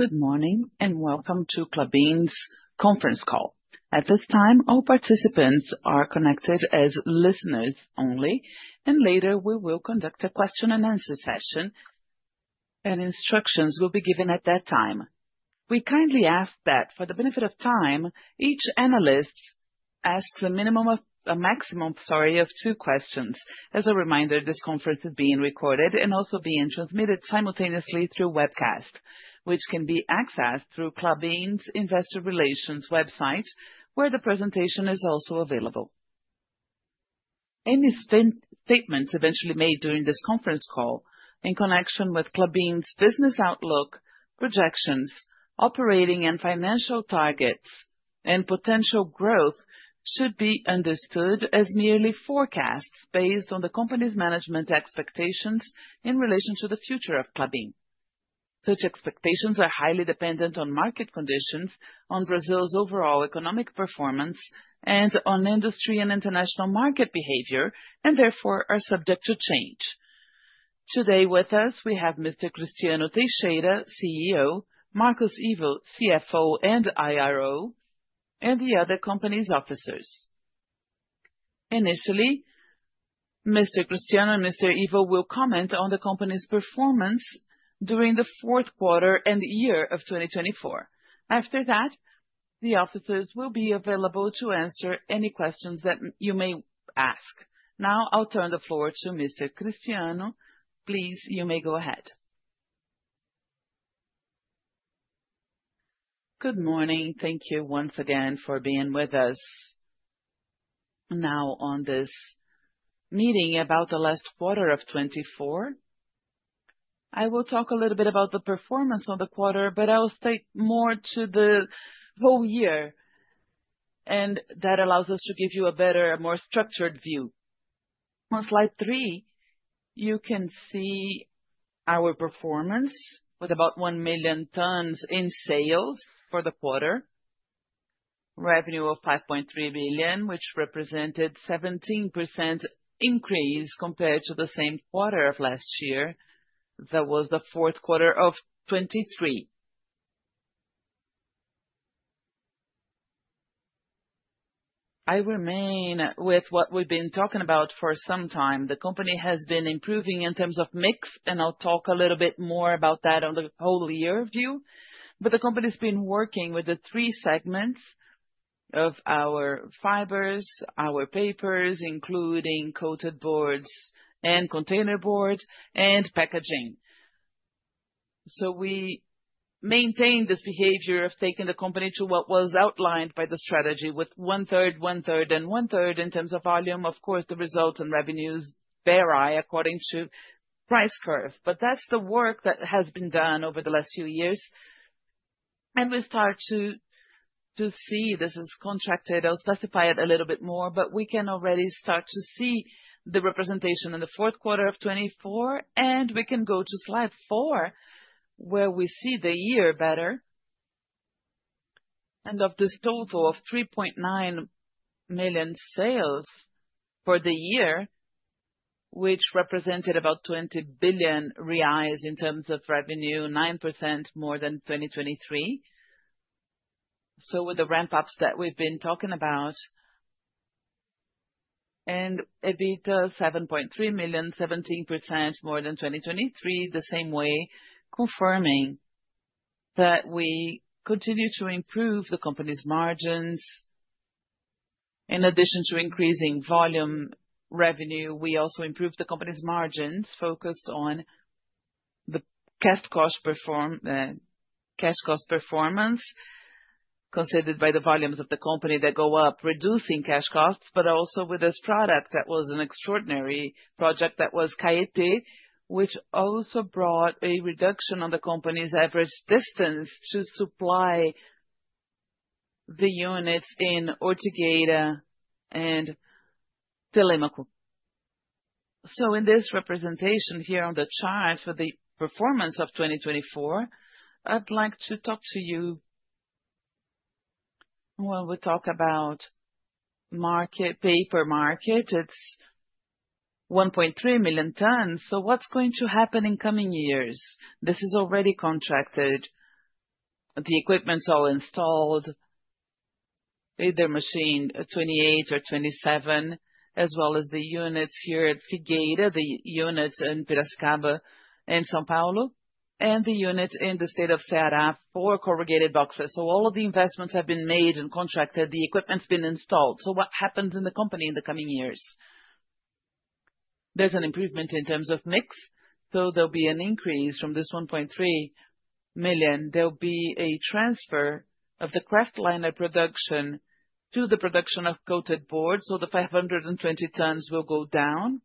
Good morning and welcome to Klabin's conference call. At this time, all participants are connected as listeners only, and later we will conduct a question-and-answer session, and instructions will be given at that time. We kindly ask that, for the benefit of time, each analyst asks a minimum of, a maximum, sorry, of two questions. As a reminder, this conference is being recorded and also being transmitted simultaneously through webcast, which can be accessed through Klabin's investor relations website, where the presentation is also available. Any statements eventually made during this conference call in connection with Klabin's business outlook, projections, operating and financial targets, and potential growth should be understood as merely forecasts based on the company's management expectations in relation to the future of Klabin. Such expectations are highly dependent on market conditions, on Brazil's overall economic performance, and on industry and international market behavior, and therefore are subject to change. Today with us, we have Mr. Cristiano Teixeira, CEO, Marcos Ivo, CFO and IRO, and the other company's officers. Initially, Mr. Cristiano and Mr. Ivo will comment on the company's performance during the fourth quarter and year of 2024. After that, the officers will be available to answer any questions that you may ask. Now, I'll turn the floor to Mr. Cristiano. Please, you may go ahead. Good morning. Thank you once again for being with us now on this meeting about the last quarter of 2024. I will talk a little bit about the performance of the quarter, but I'll state more to the whole year, and that allows us to give you a better, more structured view. On slide three, you can see our performance with about one million tons in sales for the quarter, revenue of 5.3 billion, which represented a 17% increase compared to the same quarter of last year. That was the fourth quarter of 2023. I remain with what we've been talking about for some time. The company has been improving in terms of mix, and I'll talk a little bit more about that on the whole year view, but the company's been working with the three segments of our fibers, our papers, including coated boards and container boards, and packaging. So we maintain this behavior of taking the company to what was outlined by the strategy with 1/3, 1/3, and 1/3 in terms of volume. Of course, the results and revenues vary according to price curve, but that's the work that has been done over the last few years. We start to see this is contracted. I'll specify it a little bit more, but we can already start to see the representation in the fourth quarter of 2024, and we can go to slide four, where we see the year better. Of this total of 3.9 million sales for the year, which represented about 20 billion reais in terms of revenue, 9% more than 2023. With the ramp-ups that we've been talking about, and EBITDA 7.3 million, 17% more than 2023, the same way, confirming that we continue to improve the company's margins. In addition to increasing volume revenue, we also improved the company's margins, focused on the cash cost performance, considered by the volumes of the company that go up, reducing cash costs, but also with this product that was an extraordinary project that was Caeté, which also brought a reduction on the company's average distance to supply the units in Ortigueira and Telêmaco. In this representation here on the chart for the performance of 2024, I'd like to talk to you while we talk about paper market. It's 1.3 million tons. What's going to happen in coming years? This is already contracted. The equipment's all installed, either Machine 28 or 27, as well as the units here at Figueira, the units in Piracicaba and São Paulo, and the units in the state of Ceará for corrugated boxes. All of the investments have been made and contracted. The equipment's been installed. So what happens in the company in the coming years? There's an improvement in terms of mix. So there'll be an increase from this 1.3 million. There'll be a transfer of the kraft liner production to the production of coated boards. So the 520 tons will go down,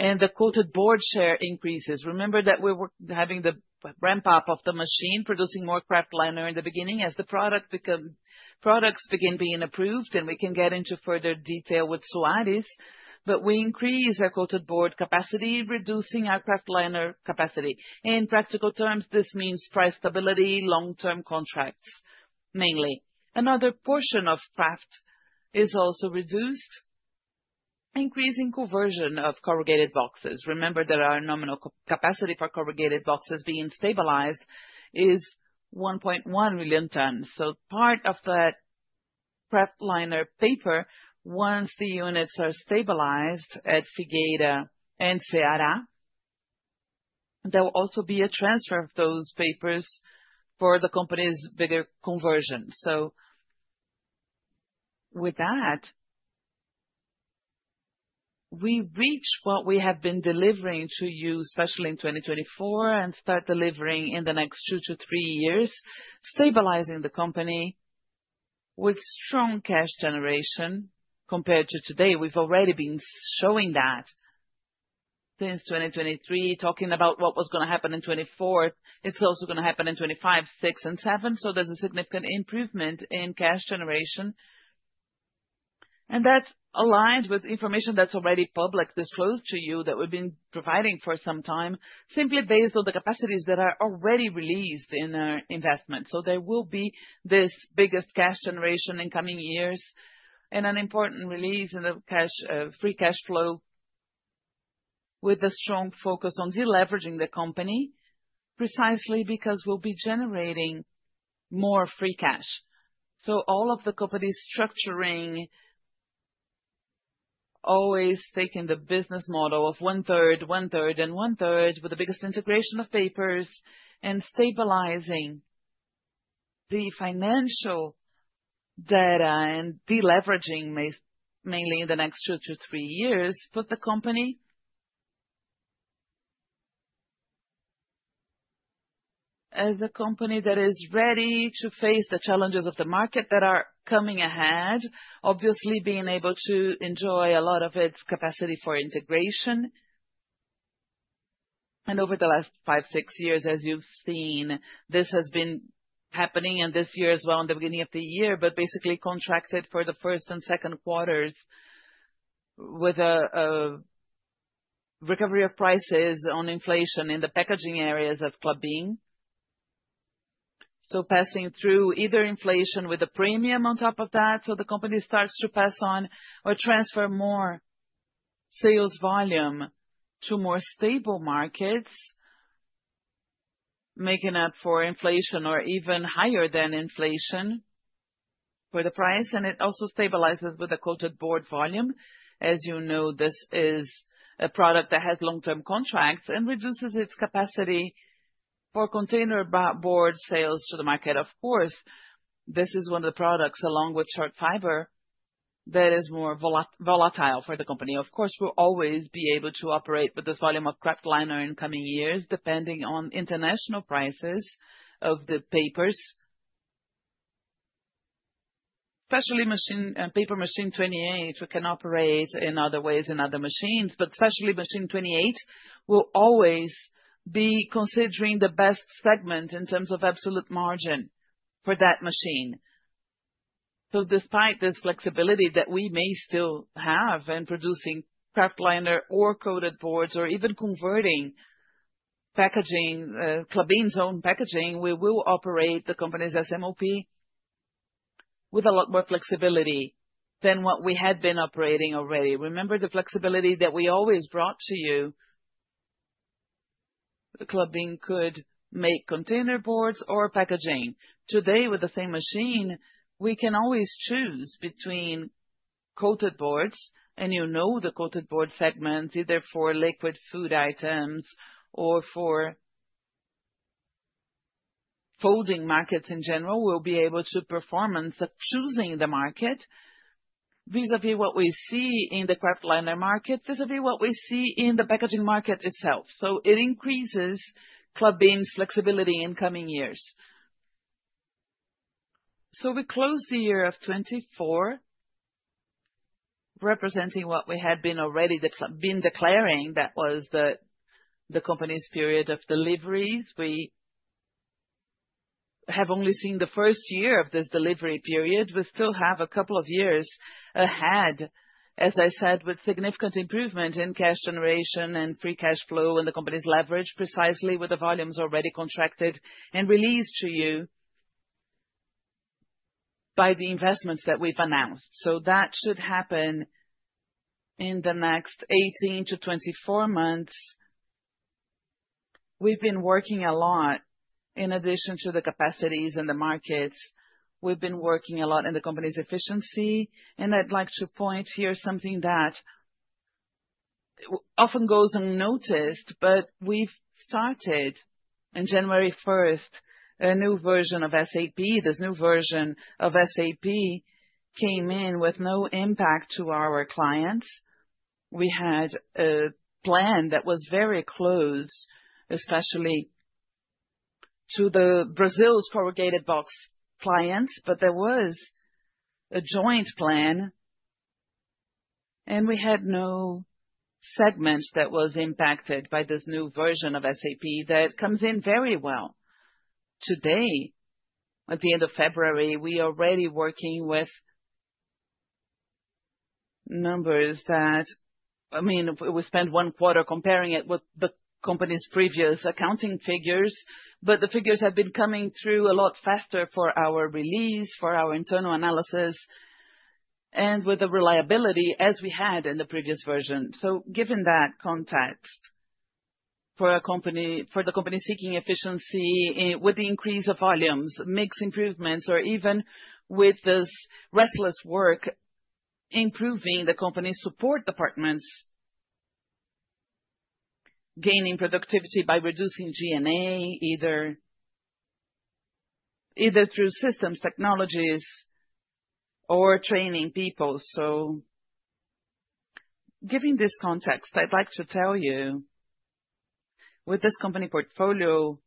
and the coated board share increases. Remember that we're having the ramp-up of the machine producing more kraft liner in the beginning as the products begin being approved, and we can get into further detail with Soares, but we increase our coated board capacity, reducing our kraft liner capacity. In practical terms, this means price stability, long-term contracts mainly. Another portion of kraft is also reduced, increasing conversion of corrugated boxes. Remember that our nominal capacity for corrugated boxes being stabilized is 1.1 million tons. So part of that kraftliner paper, once the units are stabilized at Figueira and Ceará, there will also be a transfer of those papers for the company's bigger conversion. So with that, we reach what we have been delivering to you, especially in 2024, and start delivering in the next two to three years, stabilizing the company with strong cash generation compared to today. We've already been showing that since 2023, talking about what was going to happen in 2024. It's also going to happen in 2025, 2026, and 2027. So there's a significant improvement in cash generation. And that's aligned with information that's already publicly disclosed to you that we've been providing for some time, simply based on the capacities that are already released in our investment. So there will be this biggest cash generation in coming years and an important release in the free cash flow with a strong focus on deleveraging the company, precisely because we'll be generating more free cash. So all of the company's structuring always taking the business model of 1/3, 1/3, and 1/3 with the biggest integration of papers and stabilizing the financial data and deleveraging mainly in the next two to three years, put the company as a company that is ready to face the challenges of the market that are coming ahead, obviously being able to enjoy a lot of its capacity for integration. And over the last five, six years, as you've seen, this has been happening and this year as well in the beginning of the year, but basically contracted for the first and second quarters with a recovery of prices on inflation in the packaging areas of Klabin. So passing through either inflation with a premium on top of that, so the company starts to pass on or transfer more sales volume to more stable markets, making up for inflation or even higher than inflation for the price. And it also stabilizes with the coated board volume. As you know, this is a product that has long-term contracts and reduces its capacity for containerboard sales to the market. Of course, this is one of the products along with short fiber that is more volatile for the company. Of course, we'll always be able to operate with this volume of kraftliner in coming years depending on international prices of the papers, especially Paper Machine 28. We can operate in other ways in other machines, but especially Machine 28 will always be considering the best segment in terms of absolute margin for that machine. So despite this flexibility that we may still have in producing kraftliner or coated boards or even converting packaging, Klabin's own packaging, we will operate the company's SMOP with a lot more flexibility than what we had been operating already. Remember the flexibility that we always brought to you? The Klabin could make container boards or packaging. Today, with the same machine, we can always choose between coated boards, and you know the coated board segments, either for liquid food items or for folding markets in general. We'll be able to perform on choosing the market vis-à-vis what we see in the kraftliner market, vis-à-vis what we see in the packaging market itself. So it increases Klabin's flexibility in coming years. So we close the year of 2024, representing what we had been already declaring that was the company's period of deliveries. We have only seen the first year of this delivery period. We still have a couple of years ahead, as I said, with significant improvement in cash generation and free cash flow and the company's leverage, precisely with the volumes already contracted and released to you by the investments that we've announced. So that should happen in the next 18 to 24 months. We've been working a lot in addition to the capacities and the markets. We've been working a lot in the company's efficiency. And I'd like to point here something that often goes unnoticed, but we've started on January 1st a new version of SAP. This new version of SAP came in with no impact to our clients. We had a plan that was very close, especially to Brazil's corrugated box clients, but there was a joint plan, and we had no segment that was impacted by this new version of SAP that comes in very well. Today, at the end of February, we are already working with numbers that, I mean, we spent one quarter comparing it with the company's previous accounting figures, but the figures have been coming through a lot faster for our release, for our internal analysis, and with the reliability as we had in the previous version. Given that context for the company seeking efficiency with the increase of volumes, mixed improvements, or even with this relentless work, improving the company's support departments, gaining productivity by reducing G&A, either through systems, technologies, or training people. Given this context, I'd like to tell you that with this company portfolio,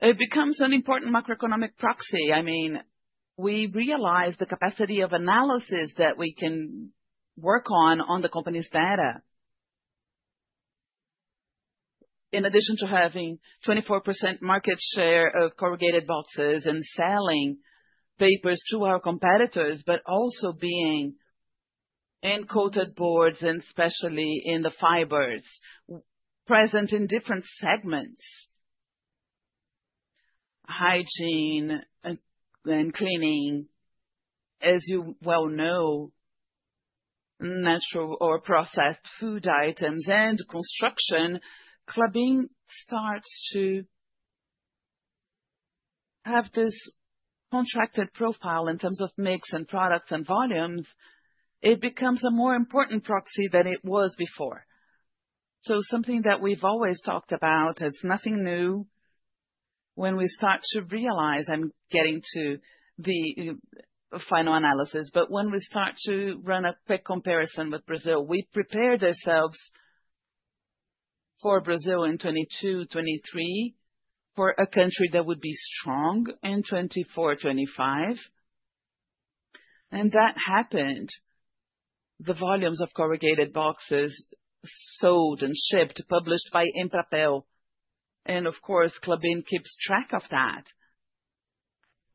it becomes an important macroeconomic proxy. I mean, we realize the capacity of analysis that we can work on the company's data, in addition to having 24% market share of corrugated boxes and selling papers to our competitors, but also being in coated boards, and especially in the fibers, present in different segments, hygiene and cleaning, as you well know, natural or processed food items, and construction. Klabin starts to have this contrasted profile in terms of mix and products and volumes. It becomes a more important proxy than it was before. Something that we've always talked about, it's nothing new when we start to realize I'm getting to the final analysis. But when we start to run a quick comparison with Brazil, we prepared ourselves for Brazil in 2022, 2023 for a country that would be strong in 2024, 2025. And that happened. The volumes of corrugated boxes sold and shipped published by Empapel. And of course, Klabin keeps track of that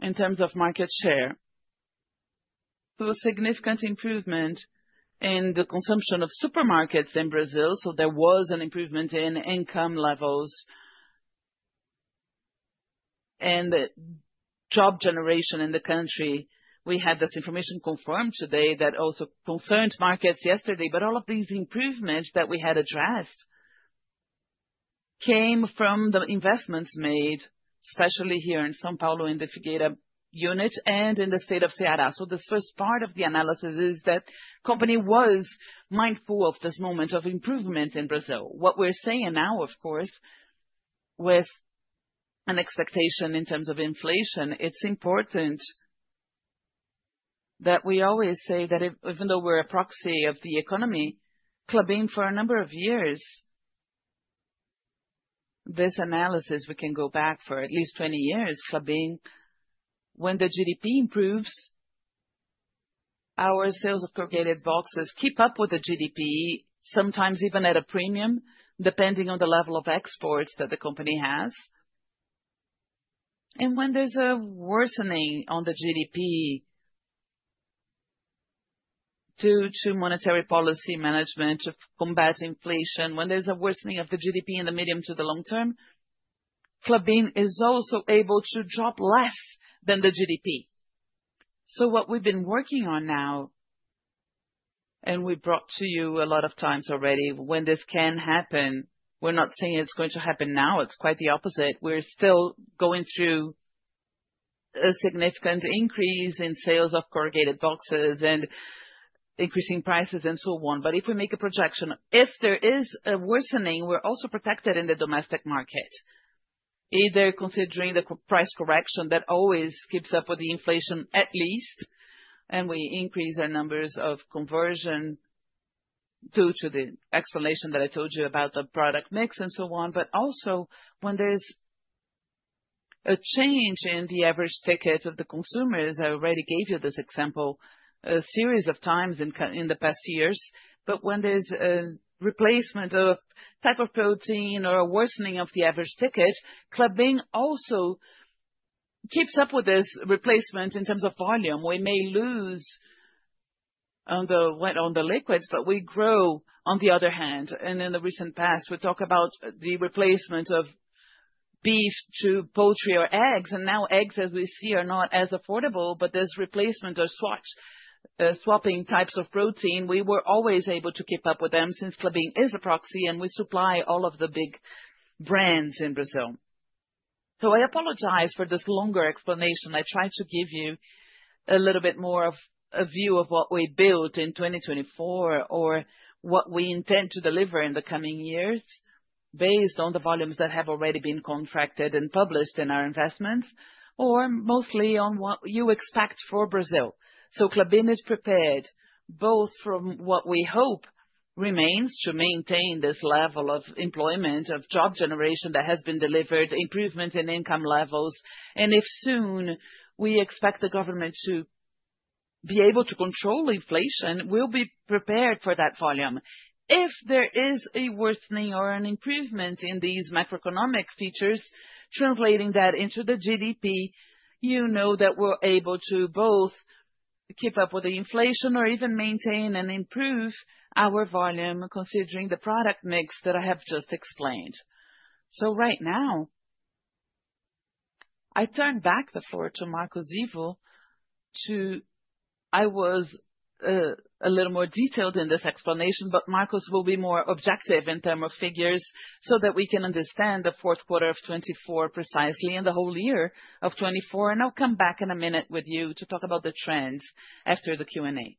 in terms of market share. There was significant improvement in the consumption of supermarkets in Brazil. So there was an improvement in income levels and job generation in the country. We had this information confirmed today that also concerned markets yesterday. But all of these improvements that we had addressed came from the investments made, especially here in São Paulo in the Figueira unit and in the state of Ceará. So this first part of the analysis is that the company was mindful of this moment of improvement in Brazil. What we're seeing now, of course, with an expectation in terms of inflation, it's important that we always say that even though we're a proxy of the economy, Klabin, for a number of years, this analysis, we can go back for at least 20 years, Klabin, when the GDP improves, our sales of corrugated boxes keep up with the GDP, sometimes even at a premium, depending on the level of exports that the company has. And when there's a worsening on the GDP due to monetary policy management to combat inflation, when there's a worsening of the GDP in the medium to the long term, Klabin is also able to drop less than the GDP. So what we've been working on now, and we brought to you a lot of times already, when this can happen. We're not saying it's going to happen now. It's quite the opposite. We're still going through a significant increase in sales of corrugated boxes and increasing prices and so on. But if we make a projection, if there is a worsening, we're also protected in the domestic market, either considering the price correction that always keeps up with the inflation at least, and we increase our numbers of conversion due to the explanation that I told you about the product mix and so on. But also when there's a change in the average ticket of the consumers, I already gave you this example a series of times in the past years. But when there's a replacement of type of protein or a worsening of the average ticket, Klabin also keeps up with this replacement in terms of volume. We may lose on the liquids, but we grow on the other hand. And in the recent past, we talk about the replacement of beef to poultry or eggs. And now eggs, as we see, are not as affordable, but there's replacement or swapping types of protein. We were always able to keep up with them since Klabin is a proxy, and we supply all of the big brands in Brazil. So I apologize for this longer explanation. I tried to give you a little bit more of a view of what we built in 2024 or what we intend to deliver in the coming years based on the volumes that have already been contracted and published in our investments or mostly on what you expect for Brazil, so Klabin is prepared both from what we hope remains to maintain this level of employment, of job generation that has been delivered, improvements in income levels, and if soon we expect the government to be able to control inflation, we'll be prepared for that volume. If there is a worsening or an improvement in these macroeconomic features, translating that into the GDP, you know that we're able to both keep up with the inflation or even maintain and improve our volume considering the product mix that I have just explained. So right now, I turn back the floor to Marcos Ivo. I was a little more detailed in this explanation, but Marcos will be more objective in terms of figures so that we can understand the fourth quarter of 2024 precisely and the whole year of 2024. And I'll come back in a minute with you to talk about the trends after the Q&A.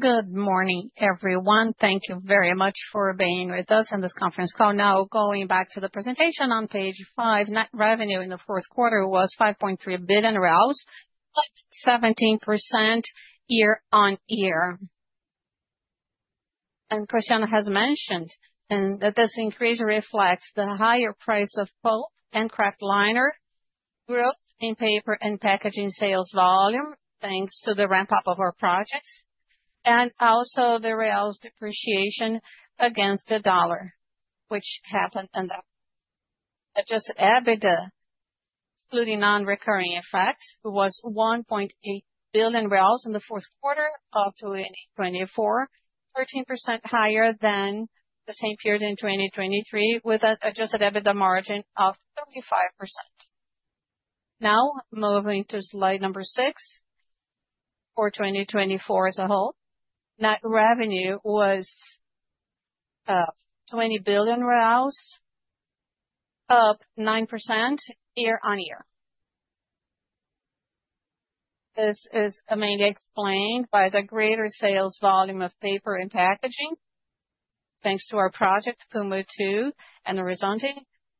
Good morning, everyone. Thank you very much for being with us in this conference call. Now, going back to the presentation on page five, net revenue in the fourth quarter was 5.3 billion, up 17% year-on-year. Cristiano has mentioned that this increase reflects the higher price of pulp and kraftliner growth in paper and packaging sales volume thanks to the ramp-up of our projects and also the Real depreciation against the dollar, which happened in the Adjusted EBITDA, excluding non-recurring effects, was 1.8 billion in the fourth quarter of 2024, 13% higher than the same period in 2023 with an Adjusted EBITDA margin of 35%. Now, moving to slide number six for 2024 as a whole, net revenue was BRL 20 billion, up 9% year on year. This is mainly explained by the greater sales volume of paper and packaging thanks to our project, Puma II and the resulting.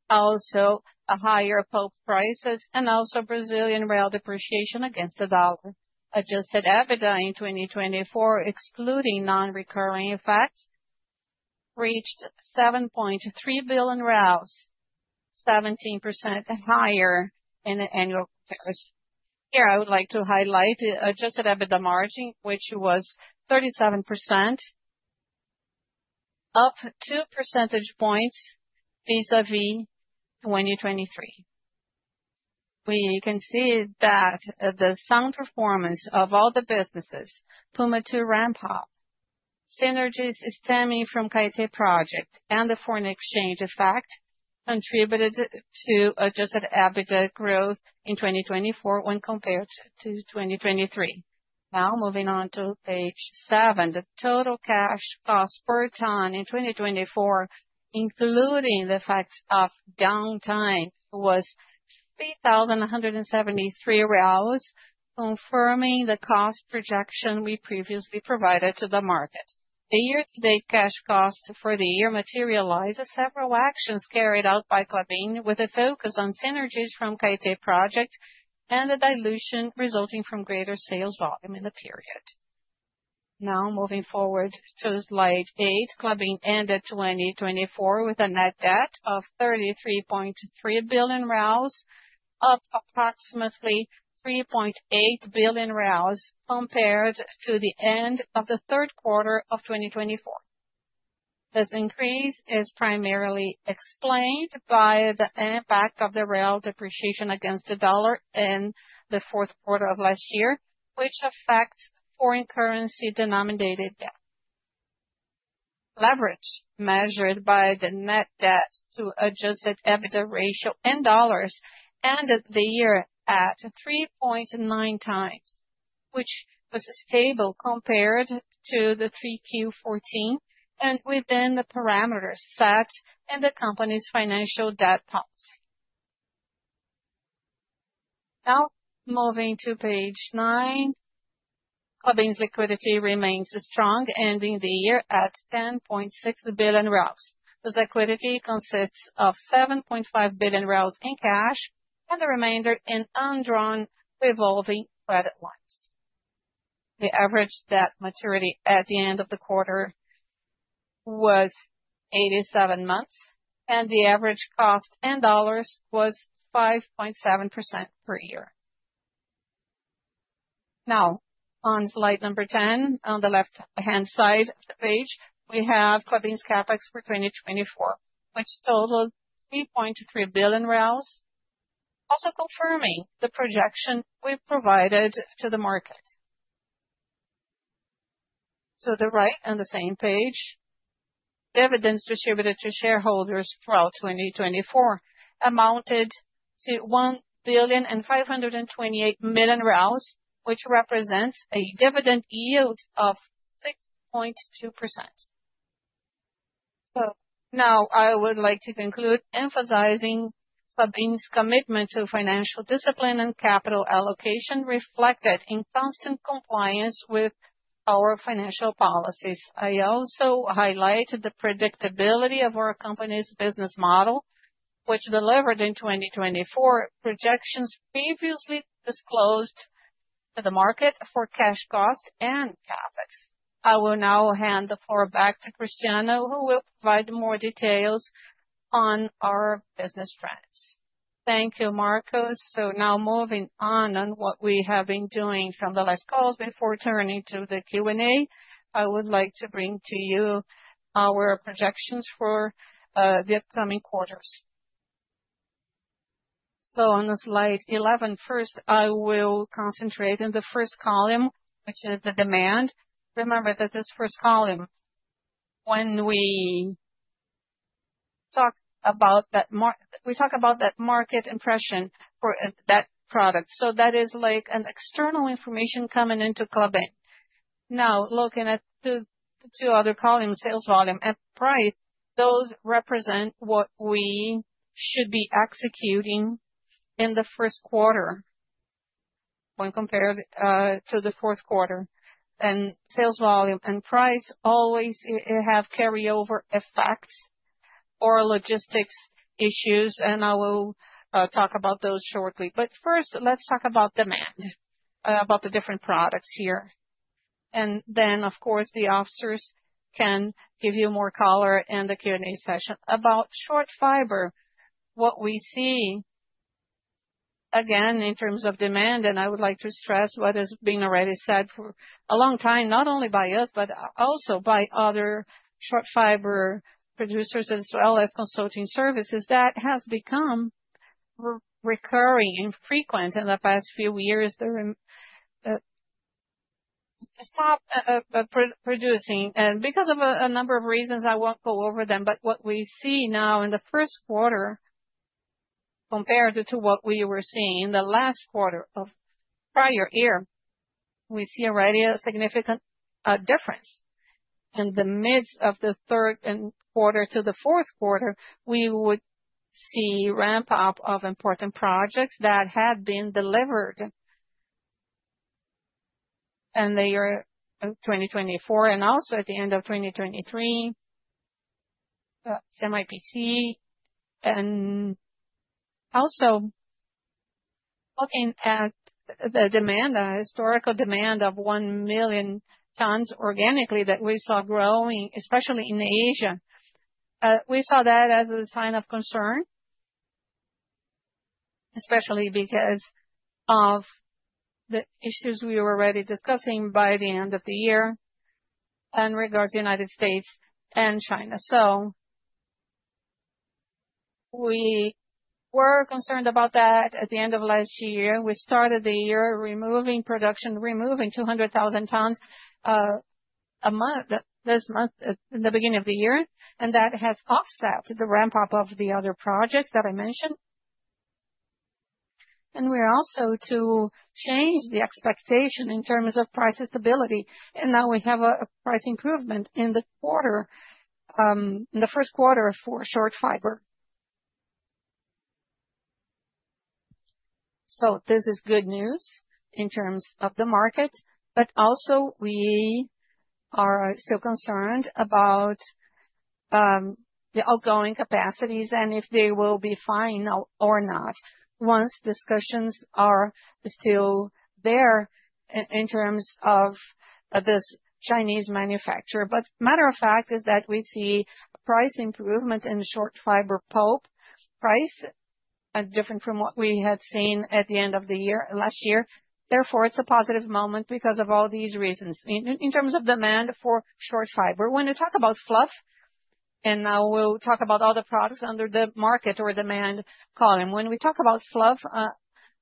Also, a higher pulp prices and also Brazilian real depreciation against the dollar. Adjusted EBITDA in 2024, excluding non-recurring effects, reached 7.3 billion, 17% higher in annual comparisons. Here, I would like to highlight the Adjusted EBITDA margin, which was 37%, up 2 percentage points vis-à-vis 2023. We can see that the sound performance of all the businesses, Puma II ramp-up, synergies stemming from Caeté Project, and the foreign exchange effect contributed to Adjusted EBITDA growth in 2024 when compared to 2023. Now, moving on to page seven, the total cash cost per ton in 2024, including the effect of downtime was 3,173 reais, confirming the cost projection we previously provided to the market. The year-to-date cash cost for the year materialized as several actions carried out by Klabin with a focus on synergies from Caeté Project and the dilution resulting from greater sales volume in the period. Now, moving forward to slide eight, Klabin ended 2024 with a net debt of BRL 33.3 billion, up approximately BRL 3.8 billion compared to the end of the third quarter of 2024. This increase is primarily explained by the impact of the real depreciation against the dollar in the fourth quarter of last year, which affects foreign currency denominated debt. Leverage measured by the net debt to Adjusted EBITDA ratio in dollars ended the year at 3.9 times, which was stable compared to the 3Q 2014 and within the parameters set in the company's financial debt policy. Now, moving to page nine, Klabin's liquidity remains strong, ending the year at 10.6 billion. This liquidity consists of 7.5 billion in cash and the remainder in undrawn revolving credit lines. The average debt maturity at the end of the quarter was 87 months, and the average cost in dollars was 5.7% per year. Now, on slide number 10, on the left-hand side of the page, we have Klabin's CapEx for 2024, which totaled 3.3 billion, also confirming the projection we provided to the market. To the right on the same page, dividends distributed to shareholders throughout 2024 amounted to 1.528 million, which represents a dividend yield of 6.2%. Now I would like to conclude emphasizing Klabin's commitment to financial discipline and capital allocation reflected in constant compliance with our financial policies. I also highlighted the predictability of our company's business model, which delivered in 2024 projections previously disclosed to the market for cash cost and CapEx. I will now hand the floor back to Cristiano, who will provide more details on our business trends. Thank you, Marcos. So now moving on what we have been doing from the last calls, before turning to the Q&A, I would like to bring to you our projections for the upcoming quarters. So on the slide 11, first, I will concentrate on the first column, which is the demand. Remember that this first column, when we talk about that, we talk about that market impression for that product. So that is like an external information coming into Klabin. Now, looking at the two other columns, sales volume and price, those represent what we should be executing in the first quarter when compared to the fourth quarter. And sales volume and price always have carryover effects or logistics issues, and I will talk about those shortly. But first, let's talk about demand, about the different products here. And then, of course, the officers can give you more color in the Q&A session about short fiber. What we see, again, in terms of demand, and I would like to stress what has been already said for a long time, not only by us, but also by other short fiber producers as well as consulting services, that has become recurring and frequent in the past few years. They're stopped producing. And because of a number of reasons, I won't go over them. But what we see now in the first quarter compared to what we were seeing in the last quarter of prior year, we see already a significant difference. In the midst of the third and quarter to the fourth quarter, we would see ramp-up of important projects that had been delivered in the year 2024 and also at the end of 2023, CMPC. Also looking at the demand, a historical demand of 1 million tons organically that we saw growing, especially in Asia. We saw that as a sign of concern, especially because of the issues we were already discussing by the end of the year in regards to the United States and China. So we were concerned about that. At the end of last year, we started the year removing production, removing 200,000 tons a month this month in the beginning of the year. And that has offset the ramp-up of the other projects that I mentioned. And we're also to change the expectation in terms of price stability. And now we have a price improvement in the quarter, in the first quarter for short fiber. So this is good news in terms of the market, but also we are still concerned about the outgoing capacities and if they will be fine or not once discussions are still there in terms of this Chinese manufacturer. But matter of fact is that we see a price improvement in short fiber pulp price, different from what we had seen at the end of the year last year. Therefore, it's a positive moment because of all these reasons in terms of demand for short fiber. When we talk about fluff, and now we'll talk about other products under the market or demand column. When we talk about fluff,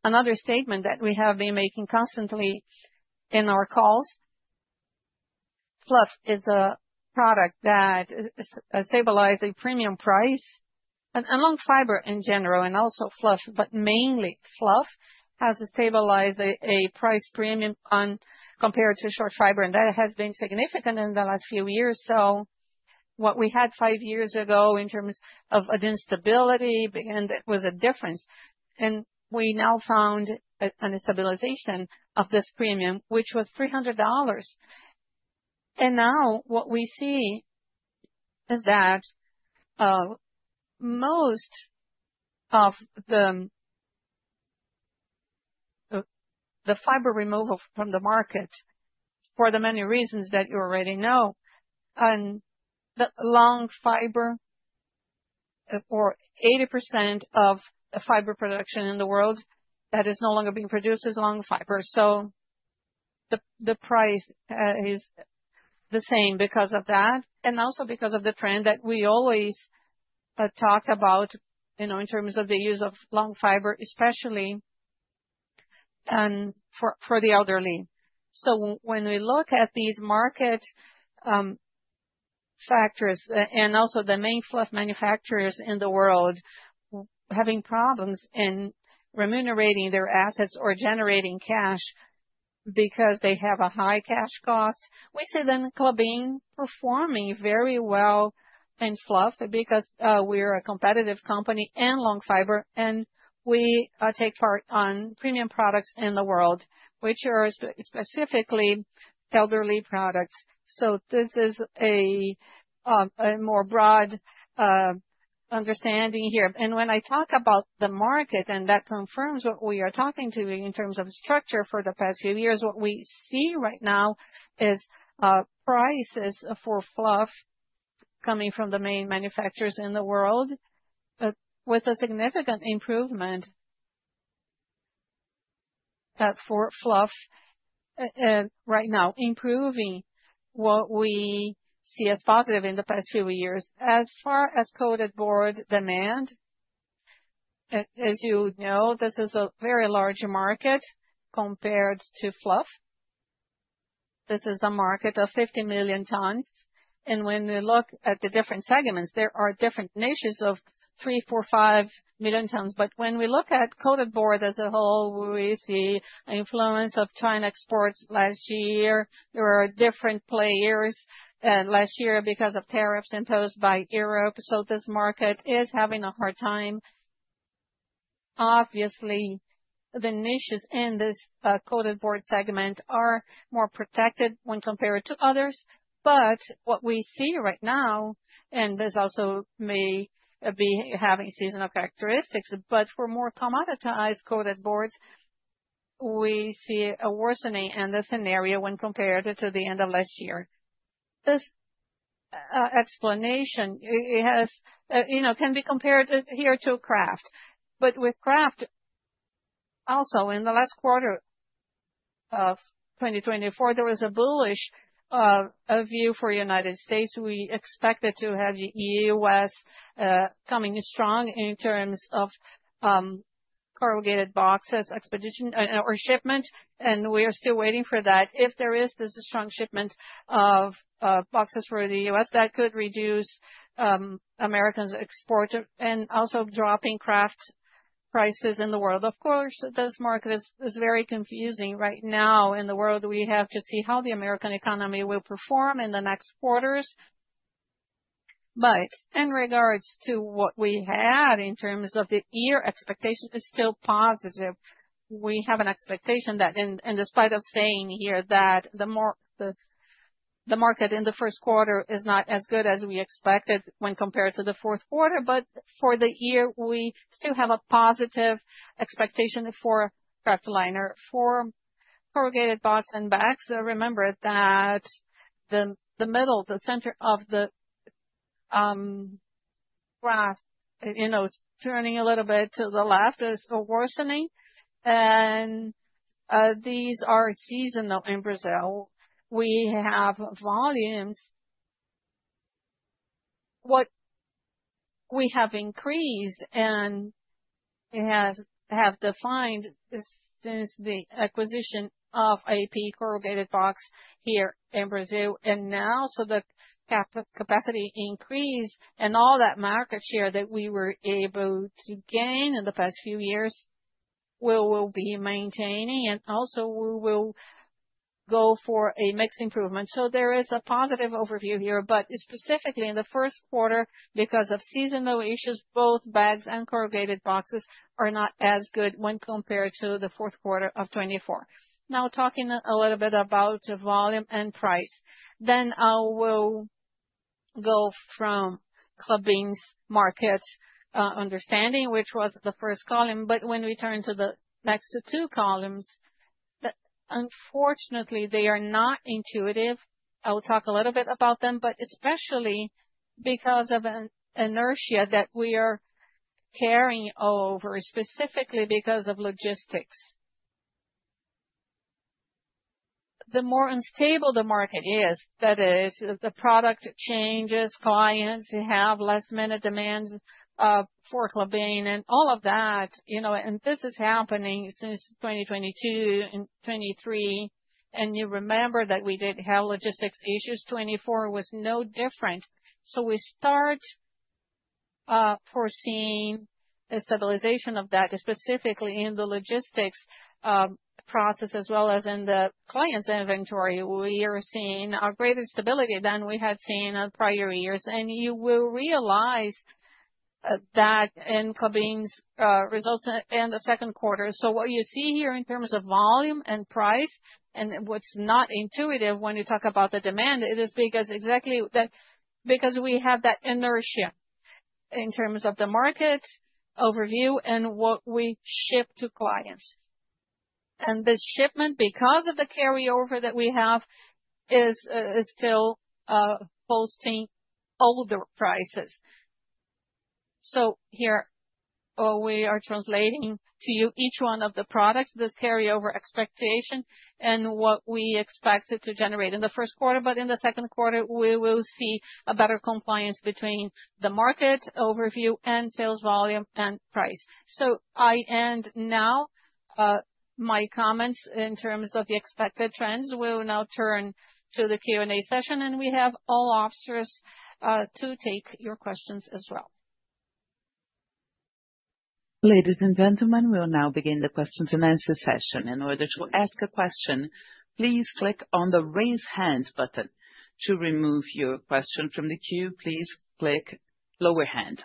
another statement that we have been making constantly in our calls, fluff is a product that stabilized a premium price and long fiber in general, and also fluff, but mainly fluff has stabilized a price premium compared to short fiber. That has been significant in the last few years. So what we had five years ago in terms of stability and it was a difference. We now found a stabilization of this premium, which was $300. Now what we see is that most of the fiber removal from the market for the many reasons that you already know, and the long fiber, or 80% of fiber production in the world that is no longer being produced is long fiber. The price is the same because of that and also because of the trend that we always talked about, you know, in terms of the use of long fiber, especially for the elderly. So when we look at these market factors and also the main fluff manufacturers in the world having problems in remunerating their assets or generating cash because they have a high cash cost, we see then Klabin performing very well in fluff because we're a competitive company in long fiber and we take part on premium products in the world, which are specifically elderly products. So this is a more broad understanding here. And when I talk about the market, and that confirms what we are talking to in terms of structure for the past few years, what we see right now is prices for fluff coming from the main manufacturers in the world with a significant improvement for fluff right now, improving what we see as positive in the past few years. As far as coated board demand, as you know, this is a very large market compared to fluff. This is a market of 50 million tons, and when we look at the different segments, there are different niches of three, four, five million tons. But when we look at coated board as a whole, we see the influence of Chinese exports last year. There are different players last year because of tariffs imposed by Europe. So this market is having a hard time. Obviously, the niches in this coated board segment are more protected when compared to others. But what we see right now, and this also may be having seasonal characteristics, but for more commoditized coated boards, we see a worsening in this scenario when compared to the end of last year. This explanation, it has, you know, can be compared here to kraft. But with kraft, also in the last quarter of 2024, there was a bullish view for the United States. We expected to have the U.S. coming strong in terms of corrugated boxes exportation or shipment, and we are still waiting for that. If there is this strong shipment of boxes for the U.S., that could reduce American exports and also dropping kraft prices in the world. Of course, this market is very confusing right now in the world. We have to see how the American economy will perform in the next quarters, but in regards to what we had in terms of the year expectation is still positive. We have an expectation that, and despite us saying here that the market in the first quarter is not as good as we expected when compared to the fourth quarter, but for the year, we still have a positive expectation for kraftliner for corrugated box and bags. Remember that the middle, the center of the graph, you know, is turning a little bit to the left is a worsening, and these are seasonal in Brazil. We have volumes what we have increased and have defined since the acquisition of IP corrugated box here in Brazil and now. So the capacity increase and all that market share that we were able to gain in the past few years will be maintaining, and also we will go for a mixed improvement. There is a positive overview here, but specifically in the first quarter, because of seasonal issues, both bags and corrugated boxes are not as good when compared to the fourth quarter of 2024. Now talking a little bit about volume and price, then I will go from Klabin's market understanding, which was the first column. When we turn to the next two columns, unfortunately, they are not intuitive. I will talk a little bit about them, but especially because of an inertia that we are carrying over specifically because of logistics. The more unstable the market is, that is, the product changes, clients have less minute demands for Klabin and all of that, you know, and this is happening since 2022 and 2023. You remember that we did have logistics issues. 2024 was no different. So we start foreseeing a stabilization of that, specifically in the logistics process as well as in the client's inventory. We are seeing a greater stability than we had seen in prior years. And you will realize that in Klabin's results in the second quarter. So what you see here in terms of volume and price and what's not intuitive when you talk about the demand, it is because exactly that, because we have that inertia in terms of the market overview and what we ship to clients. And this shipment, because of the carryover that we have, is still posting older prices. So here, we are translating to you each one of the products, this carryover expectation and what we expected to generate in the first quarter. But in the second quarter, we will see a better compliance between the market overview and sales volume and price. So I end now my comments in terms of the expected trends. We'll now turn to the Q&A session, and we have all officers to take your questions as well. Ladies and gentlemen, we'll now begin the questions and answers session. In order to ask a question, please click on the raise hand button. To remove your question from the queue, please click lower hand.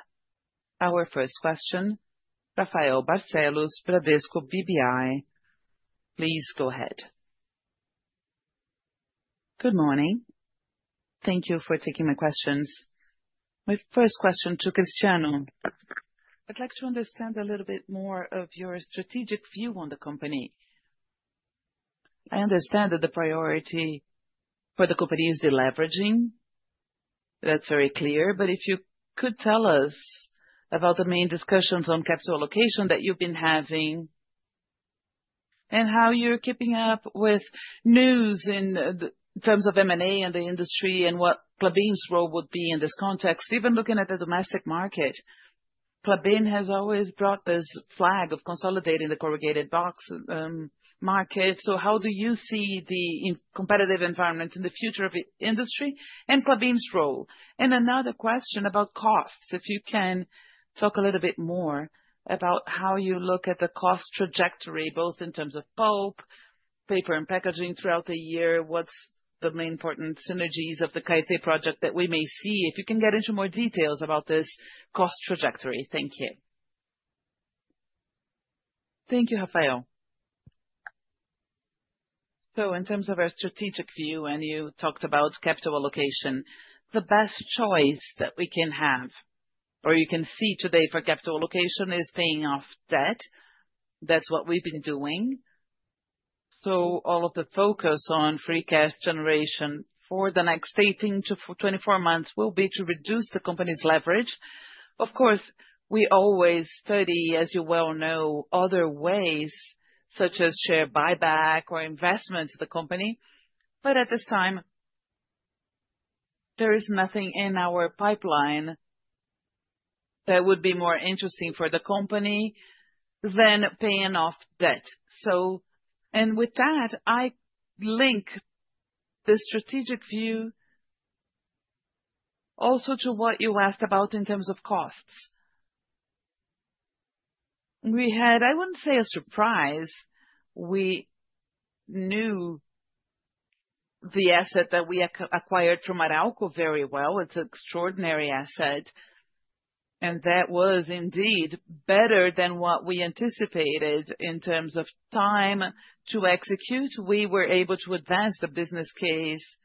Our first question, Rafael Barcellos, Bradesco BBI. Please go ahead. Good morning. Thank you for taking my questions. My first question to Cristiano. I'd like to understand a little bit more of your strategic view on the company. I understand that the priority for the company is the deleveraging. That's very clear. But if you could tell us about the main discussions on capital allocation that you've been having and how you're keeping up with news in terms of M&A and the industry and what Klabin's role would be in this context, even looking at the domestic market? Klabin has always brought this flag of consolidating the corrugated box market. So how do you see the competitive environment in the future of the industry and Klabin's role? And another question about costs. If you can talk a little bit more about how you look at the cost trajectory, both in terms of pulp, paper, and packaging throughout the year, what's the main important synergies of the Caeté project that we may see? If you can get into more details about this cost trajectory. Thank you. Thank you, Rafael. In terms of our strategic view, and you talked about capital allocation, the best choice that we can have or you can see today for capital allocation is paying off debt. That's what we've been doing. All of the focus on free cash generation for the next 18 to 24 months will be to reduce the company's leverage. Of course, we always study, as you well know, other ways, such as share buyback or investment to the company. But at this time, there is nothing in our pipeline that would be more interesting for the company than paying off debt. With that, I link the strategic view also to what you asked about in terms of costs. We had, I wouldn't say a surprise. We knew the asset that we acquired from Arauco very well. It's an extraordinary asset. That was indeed better than what we anticipated in terms of time to execute. We were able to advance the business case,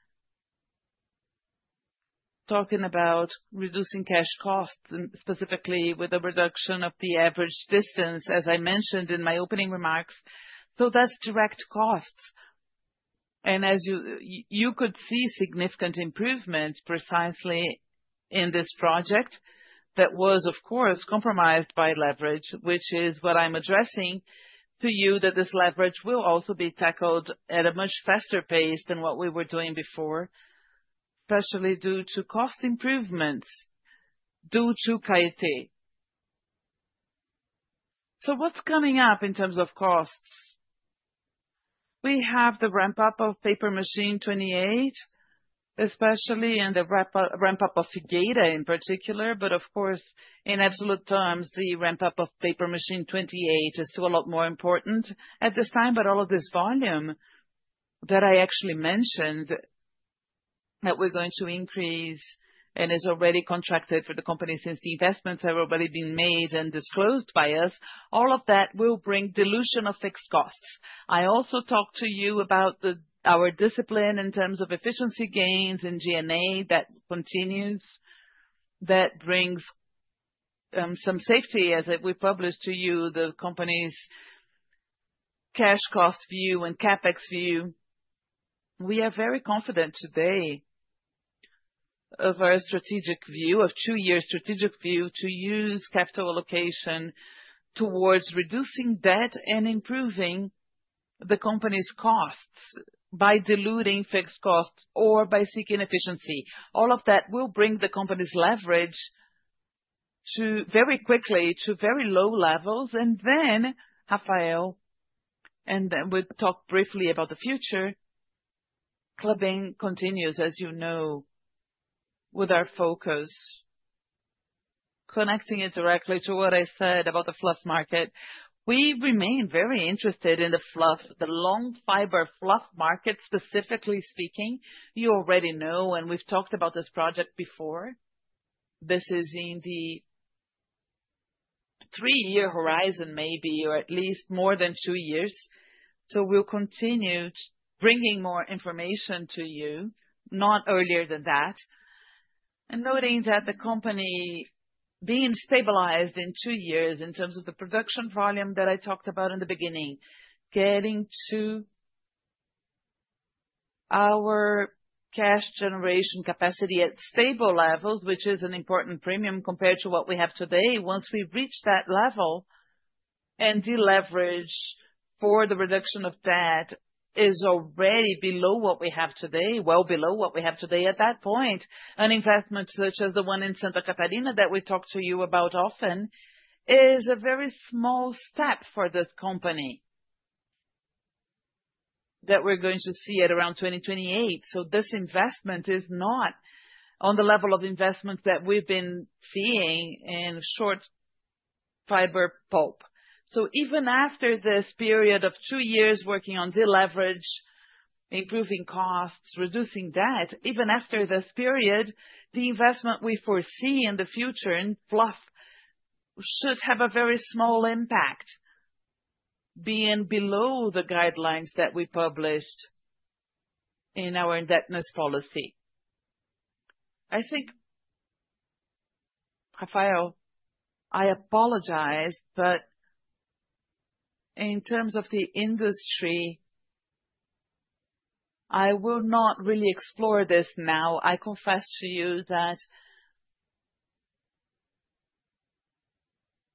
talking about reducing cash costs, specifically with a reduction of the average distance, as I mentioned in my opening remarks. That's direct costs. As you could see, significant improvement precisely in this project that was, of course, compromised by leverage, which is what I'm addressing to you, that this leverage will also be tackled at a much faster pace than what we were doing before, especially due to cost improvements due to Caeté. What's coming up in terms of costs? We have the ramp-up of Paper Machine 28, especially in the ramp-up of Figueira in particular. Of course, in absolute terms, the ramp-up of Paper Machine 28 is still a lot more important at this time. All of this volume that I actually mentioned that we're going to increase and is already contracted for the company since the investments have already been made and disclosed by us. All of that will bring dilution of fixed costs. I also talked to you about our discipline in terms of efficiency gains and G&A that continues. That brings some safety as we published to you the company's cash cost view and CapEx view. We are very confident today of our strategic view, of two-year strategic view to use capital allocation towards reducing debt and improving the company's costs by diluting fixed costs or by seeking efficiency. All of that will bring the company's leverage very quickly to very low levels. And then, Rafael, and then we'll talk briefly about the future. Klabin continues, as you know, with our focus, connecting it directly to what I said about the fluff market. We remain very interested in the fluff, the long fiber fluff market, specifically speaking. You already know, and we've talked about this project before. This is in the three-year horizon maybe, or at least more than two years. So we'll continue bringing more information to you, not earlier than that, and noting that the company being stabilized in two years in terms of the production volume that I talked about in the beginning, getting to our cash generation capacity at stable levels, which is an important premium compared to what we have today. Once we reach that level and deleverage for the reduction of debt is already below what we have today, well below what we have today at that point. An investment such as the one in Santa Catarina that we talked to you about often is a very small step for this company that we're going to see at around 2028. So this investment is not on the level of investments that we've been seeing in short fiber pulp. So even after this period of two years working on deleverage, improving costs, reducing debt, even after this period, the investment we foresee in the future in fluff should have a very small impact being below the guidelines that we published in our indebtedness policy. I think, Rafael, I apologize, but in terms of the industry, I will not really explore this now. I confess to you that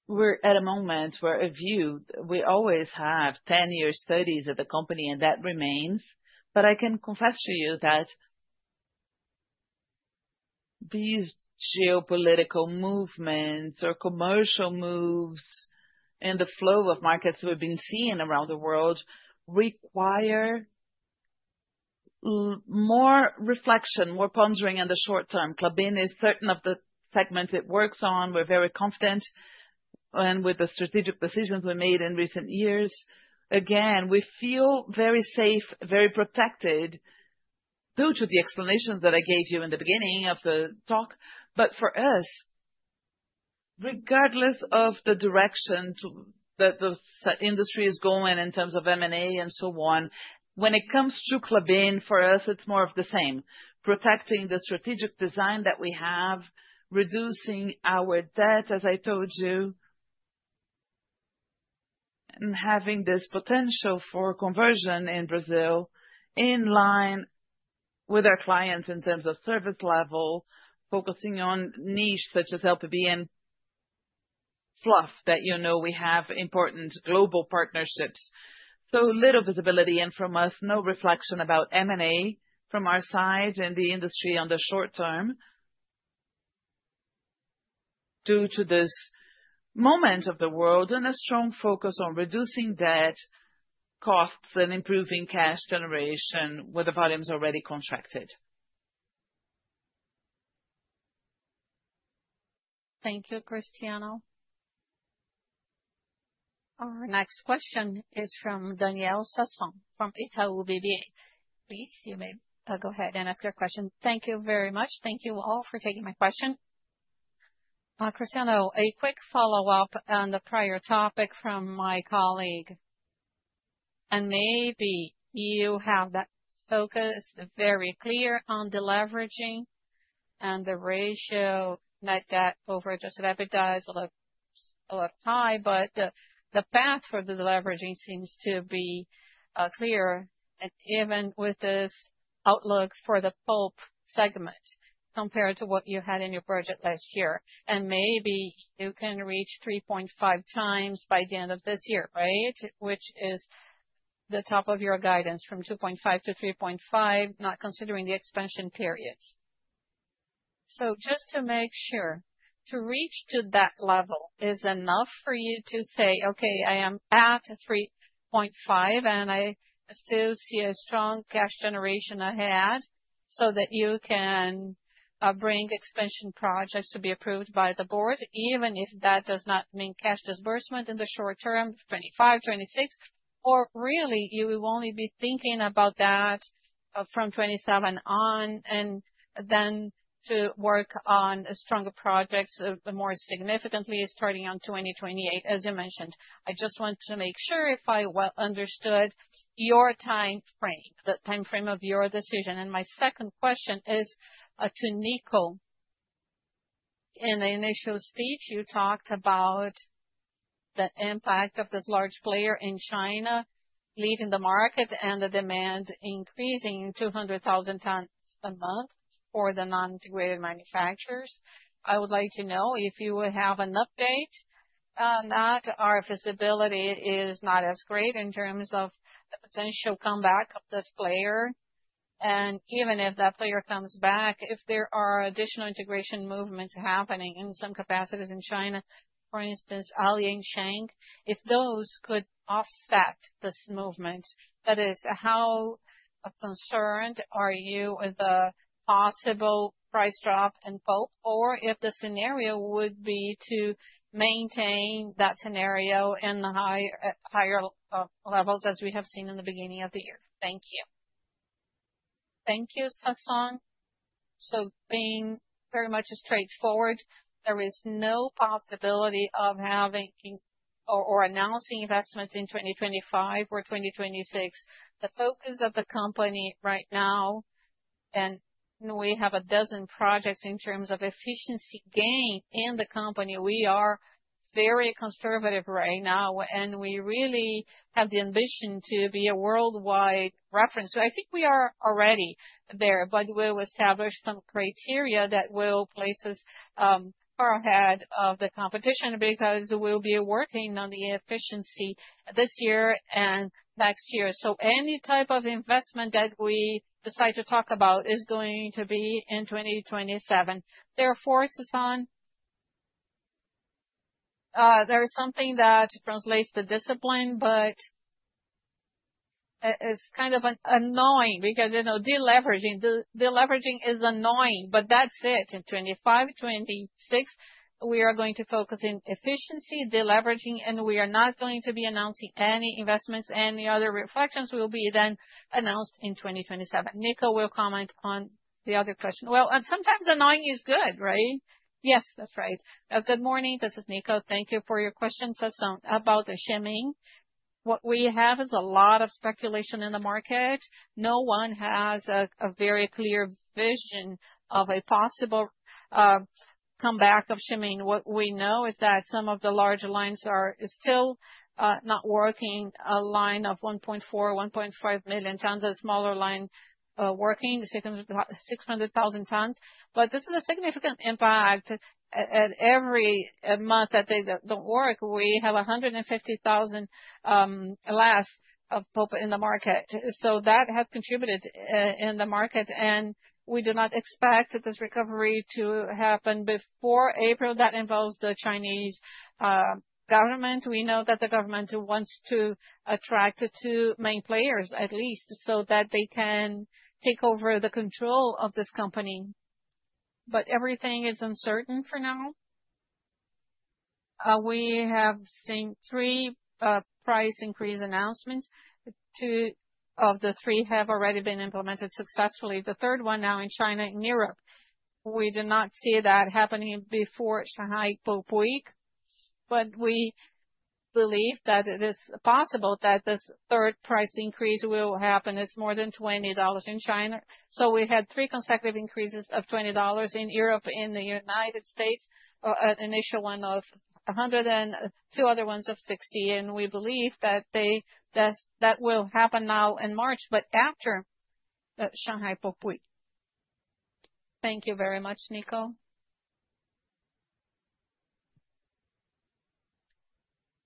we're at a moment where a view we always have 10-year studies of the company, and that remains. But I can confess to you that these geopolitical movements or commercial moves and the flow of markets we've been seeing around the world require more reflection, more pondering in the short term. Klabin is certain of the segments it works on. We're very confident. And with the strategic decisions we made in recent years, again, we feel very safe, very protected due to the explanations that I gave you in the beginning of the talk. But for us, regardless of the direction that the industry is going in terms of M&A and so on, when it comes to Klabin, for us, it's more of the same. Protecting the strategic design that we have, reducing our debt, as I told you, and having this potential for conversion in Brazil in line with our clients in terms of service level, focusing on niche such as LPB and fluff that you know we have important global partnerships. So little visibility and from us, no reflection about M&A from our side in the industry on the short term due to this moment of the world and a strong focus on reducing debt costs and improving cash generation with the volumes already contracted. Thank you, Cristiano. Our next question is from Daniel Sasson from Itaú BBA. Please, you may go ahead and ask your question. Thank you very much. Thank you all for taking my question. Cristiano, a quick follow-up on the prior topic from my colleague. And maybe you have that focus very clear on the deleveraging and the ratio net debt over Adjusted EBITDA a lot higher, but the path for the deleveraging seems to be clear and even with this outlook for the pulp segment compared to what you had in your budget last year. And maybe you can reach 3.5x by the end of this year, right? Which is the top of your guidance from 2.5x-3.5x, not considering the expansion periods. So just to make sure, to reach to that level is enough for you to say, okay, I am at 3.5x and I still see a strong cash generation ahead so that you can bring expansion projects to be approved by the board, even if that does not mean cash disbursement in the short term, 2025, 2026, or really you will only be thinking about that from 2027 on and then to work on stronger projects more significantly starting on 2028, as you mentioned. I just want to make sure if I well understood your time frame, the time frame of your decision. And my second question is to Nico. In the initial speech, you talked about the impact of this large player in China leaving the market and the demand increasing 200,000 tons a month for the non-integrated manufacturers. I would like to know if you would have an update on that. Our visibility is not as great in terms of the potential comeback of this player. And even if that player comes back, if there are additional integration movements happening in some capacities in China, for instance, Liansheng, if those could offset this movement, that is, how concerned are you with the possible price drop in pulp or if the scenario would be to maintain that scenario in the higher levels as we have seen in the beginning of the year? Thank you. Thank you, Sasson. So being very much straightforward, there is no possibility of having or announcing investments in 2025 or 2026. The focus of the company right now, and we have a dozen projects in terms of efficiency gain in the compny. We are very conservative right now, and we really have the ambition to be a worldwide reference. So I think we are already there, but we will establish some criteria that will place us far ahead of the competition because we'll be working on the efficiency this year and next year. So any type of investment that we decide to talk about is going to be in 2027. Therefore, Sasson, there is something that translates the discipline, but it's kind of annoying because deleveraging, deleveraging is annoying, but that's it. In 2025, 2026, we are going to focus on efficiency, deleveraging, and we are not going to be announcing any investments. Any other reflections will be then announced in 2027. Nico will comment on the other question. Well, and sometimes annoying is good, right? Yes, that's right. Good morning, this is Nico. Thank you for your question, Sasson, about Chenming. What we have is a lot of speculation in the market. No one has a very clear vision of a possible comeback of Chenming. What we know is that some of the large lines are still not working, a line of 1.4 tons-1.5 million tons, a smaller line working, 600,000 tons. But this is a significant impact at every month that they don't work. We have 150,000 less of pulp in the market. So that has contributed in the market. And we do not expect this recovery to happen before April. That involves the Chinese government. We know that the government wants to attract two main players at least so that they can take over the control of this company. But everything is uncertain for now. We have seen three price increase announcements. Two of the three have already been implemented successfully. The third one now in China and Europe. We did not see that happening before Shanghai Pulp Week, but we believe that it is possible that this third price increase will happen. It's more than $20 in China. So we had three consecutive increases of $20 in Europe, in the United States, an initial one of $100 and two other ones of $60. And we believe that that will happen now in March, but after Shanghai Pulp Week. Thank you very much, Nico.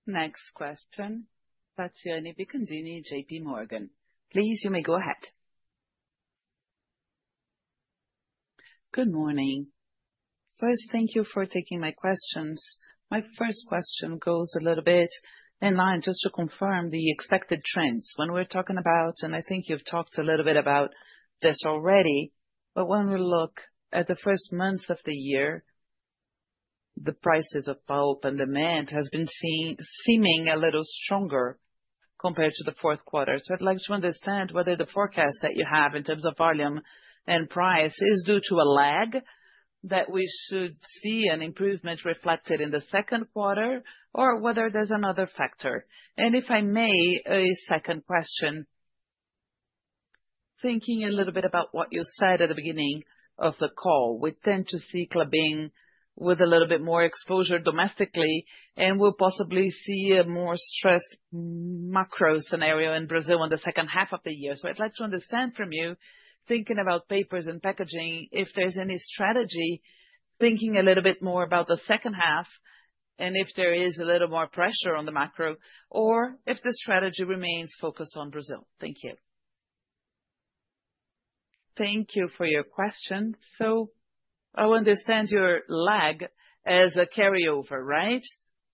Next question. Tathiane Candini, JP Morgan. Please, you may go ahead. Good morning. First, thank you for taking my questions. My first question goes a little bit in line just to confirm the expected trends. When we're talking about, and I think you've talked a little bit about this already, but when we look at the first months of the year, the prices of pulp and demand have been seeming a little stronger compared to the fourth quarter. So I'd like to understand whether the forecast that you have in terms of volume and price is due to a lag that we should see an improvement reflected in the second quarter or whether there's another factor? And if I may, a second question. Thinking a little bit about what you said at the beginning of the call, we tend to see Klabin with a little bit more exposure domestically and will possibly see a more stressed macro scenario in Brazil in the second half of the year. So I'd like to understand from you, thinking about papers and packaging, if there's any strategy, thinking a little bit more about the second half and if there is a little more pressure on the macro or if the strategy remains focused on Brazil. Thank you. Thank you for your question, so I understand your lag as a carryover, right?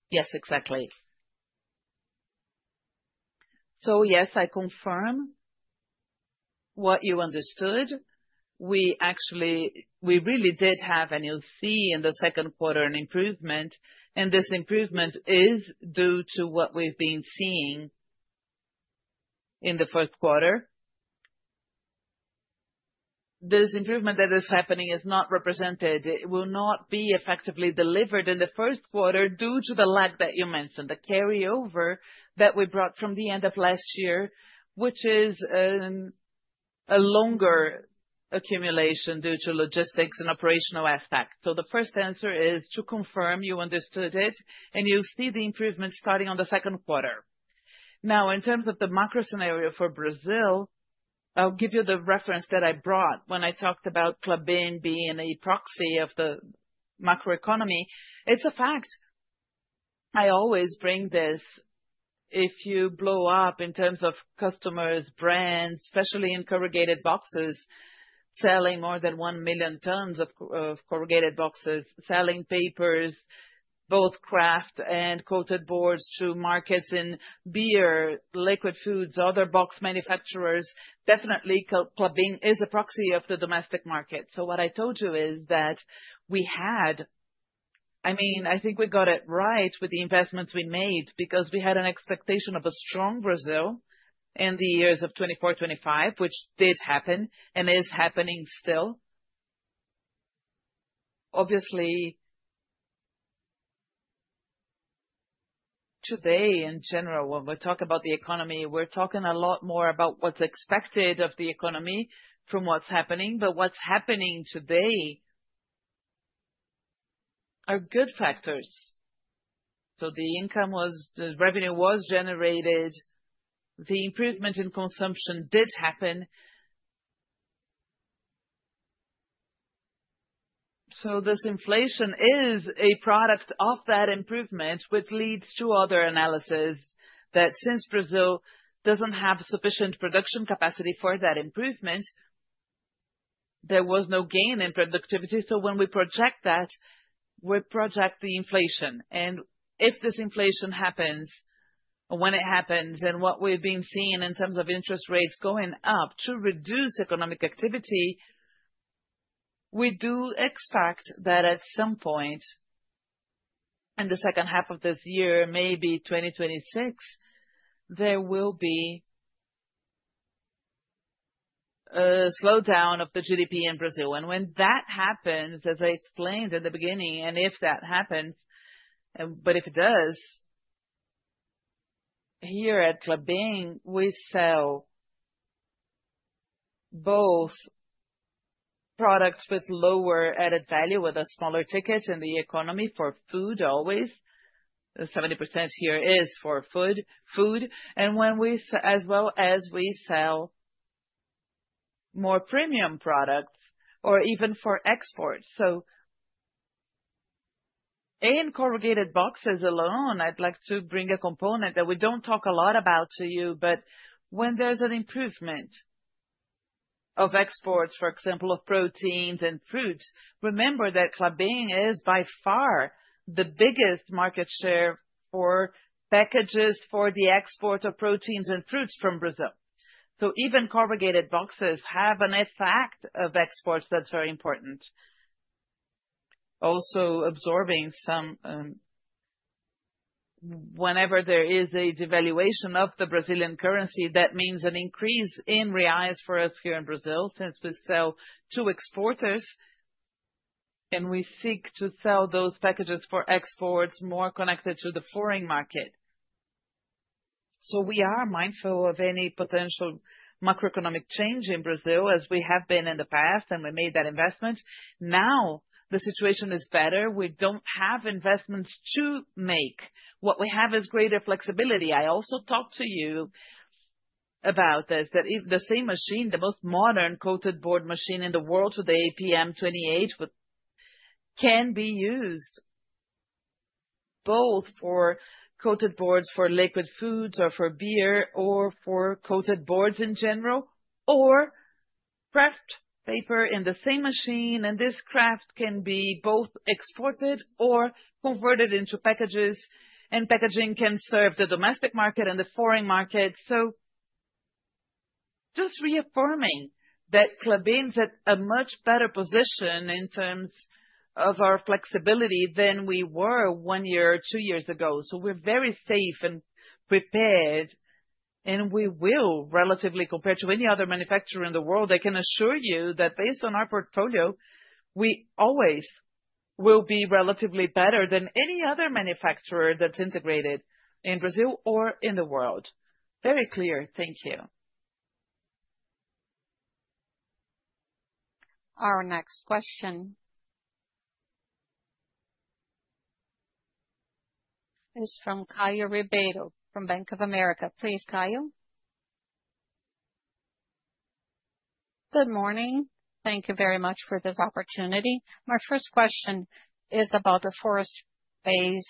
Yes, exactly. So yes, I confirm what you understood. We actually, we really did have an LC in the second quarter, an improvement, and this improvement is due to what we've been seeing in the first quarter. This improvement that is happening is not represented. It will not be effectively delivered in the first quarter due to the lag that you mentioned, the carryover that we brought from the end of last year, which is a longer accumulation due to logistics and operational aspects. So the first answer is to confirm you understood it and you'll see the improvement starting on the second quarter. Now, in terms of the macro scenario for Brazil, I'll give you the reference that I brought when I talked about Klabin being a proxy of the macroeconomy. It's a fact. I always bring this if you blow up in terms of customers, brands, especially in corrugated boxes, selling more than 1 million tons of corrugated boxes, selling papers, both kraft and coated boards to markets in beer, liquid foods, other box manufacturers. Definitely, Klabin is a proxy of the domestic market. So what I told you is that we had, I mean, I think we got it right with the investments we made because we had an expectation of a strong Brazil in the years of 2024, 2025, which did happen and is happening still. Obviously, today in general, when we talk about the economy, we're talking a lot more about what's expected of the economy from what's happening, but what's happening today are good factors, so the income was, the revenue was generated. The improvement in consumption did happen, so this inflation is a product of that improvement, which leads to other analysis that since Brazil doesn't have sufficient production capacity for that improvement, there was no gain in productivity, so when we project that, we project the inflation, and if this inflation happens, when it happens, and what we've been seeing in terms of interest rates going up to reduce economic activity, we do expect that at some point in the second half of this year, maybe 2026, there will be a slowdown of the GDP in Brazil. And when that happens, as I explained in the beginning, and if that happens, but if it does, here at Klabin, we sell both products with lower added value with a smaller ticket in the economy for food always. 70% here is for food. And when we, as well as we sell more premium products or even for exports. So in corrugated boxes alone, I'd like to bring a component that we don't talk a lot about to you, but when there's an improvement of exports, for example, of proteins and fruits, remember that Klabin is by far the biggest market share for packages for the export of proteins and fruits from Brazil. So even corrugated boxes have an effect of exports that's very important. Also absorbing some, whenever there is a devaluation of the Brazilian currency, that means an increase in reais for us here in Brazil since we sell to exporters. We seek to sell those packages for exports more connected to the foreign market. We are mindful of any potential macroeconomic change in Brazil as we have been in the past and we made that investment. Now the situation is better. We don't have investments to make. What we have is greater flexibility. I also talked to you about this, that the same machine, the most modern coated board machine in the world with the PM28, can be used both for coated boards for liquid foods or for beer or for coated boards in general or kraft paper in the same machine. This kraft can be both exported or converted into packages, and packaging can serve the domestic market and the foreign market. Just reaffirming that Klabin's at a much better position in terms of our flexibility than we were one year, two years ago. We're very safe and prepared, and we will relatively compare to any other manufacturer in the world. I can assure you that based on our portfolio, we always will be relatively better than any other manufacturer that's integrated in Brazil or in the world. Very clear. Thank you. Our next question is from Caio Ribeiro from Bank of America. Please, Caio. Good morning. Thank you very much for this opportunity. My first question is about the forestry base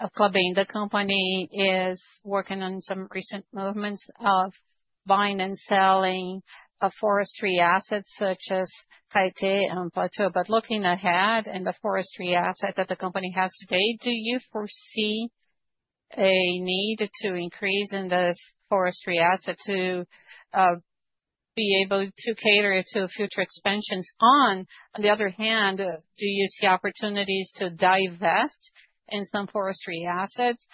of Klabin. The company is working on some recent movements of buying and selling of forestry assets such as Caeté and Plateau. But looking ahead to the forestry asset that the company has today, do you foresee a need to increase in this forestry asset to be able to cater to future expansions? On the other hand, do you see opportunities to divest in some forestry assets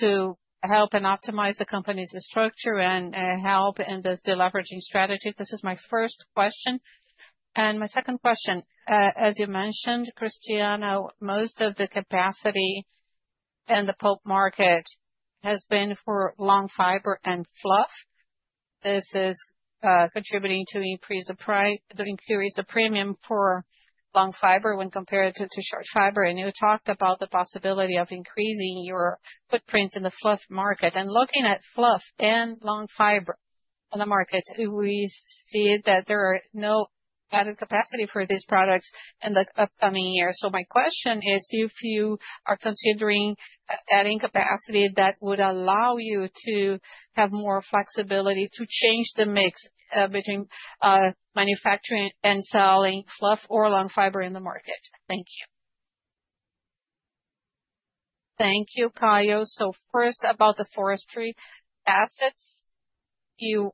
to help and optimize the company's structure and help in this deleveraging strategy? This is my first question, and my second question, as you mentioned, Cristiano, most of the capacity in the pulp market has been for long fiber and fluff. This is contributing to increase the premium for long fiber when compared to short fiber. And you talked about the possibility of increasing your footprint in the fluff market. And looking at fluff and long fiber in the market, we see that there are no added capacity for these products in the upcoming year. So my question is, if you are considering adding capacity, that would allow you to have more flexibility to change the mix between manufacturing and selling fluff or long fiber in the market. Thank you. Thank you, Caio. So first, about the forestry assets, you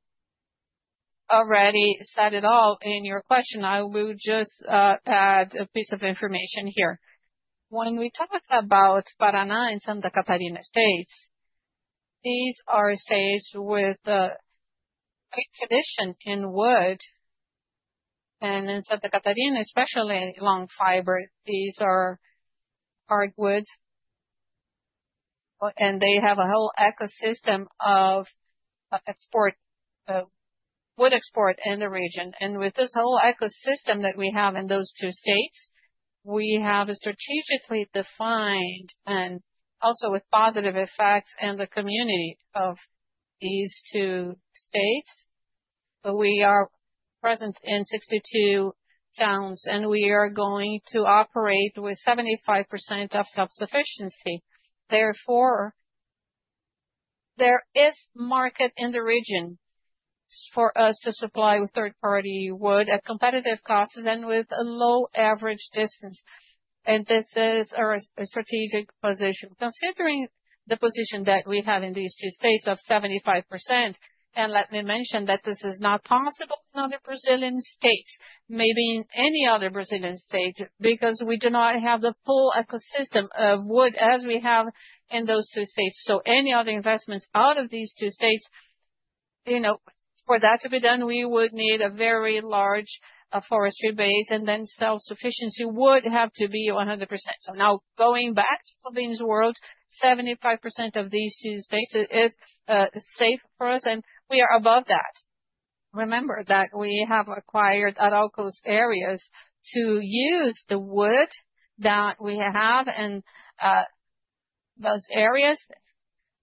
already said it all in your question. I will just add a piece of information here. When we talk about Paraná and Santa Catarina states, these are states with a great tradition in wood. And in Santa Catarina, especially long fiber, these are hardwoods. And they have a whole ecosystem of export, wood export in the region. And with this whole ecosystem that we have in those two states, we have a strategically defined and also with positive effects in the community of these two states. We are present in 62 towns, and we are going to operate with 75% of self-sufficiency. Therefore, there is market in the region for us to supply with third-party wood at competitive costs and with a low average distance, and this is our strategic position. Considering the position that we have in these two states of 75%, and let me mention that this is not possible in other Brazilian states, maybe in any other Brazilian state, because we do not have the full ecosystem of wood as we have in those two states, so any other investments out of these two states, you know, for that to be done, we would need a very large forestry base, and then self-sufficiency would have to be 100%. So now going back to Klabin's world, 75% of these two states is safe for us, and we are above that. Remember that we have acquired Arauco's areas to use the wood that we have in those areas.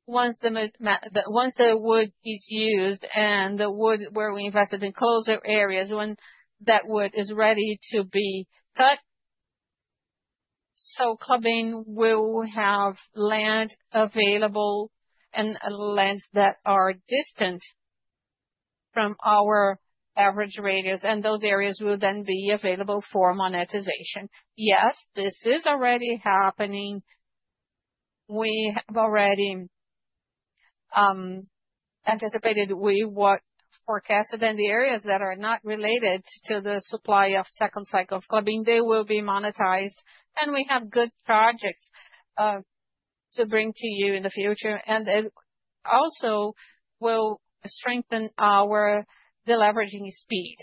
Once the wood is used and the wood where we invested in closer areas, when that wood is ready to be cut, so Klabin will have land available and lands that are distant from our average radius, and those areas will then be available for monetization. Yes, this is already happening. We have already anticipated what forecasted, and the areas that are not related to the supply of second cycle of Klabin, they will be monetized, and we have good projects to bring to you in the future, and it also will strengthen our deleveraging speed.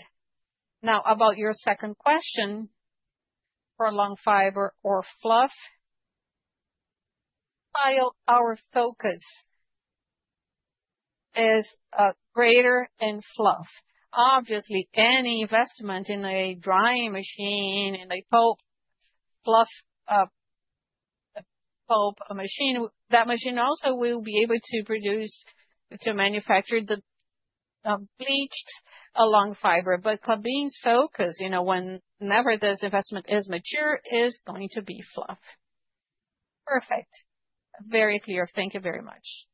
Now, about your second question for long fiber or fluff, Caio, our focus is greater in fluff. Obviously, any investment in a drying machine, in a pulp, fluff pulp machine, that machine also will be able to produce, to manufacture the bleached long fiber. But Klabin's focus, you know, whenever this investment is mature, is going to be fluff. Perfect. Very clear. Thank you very much.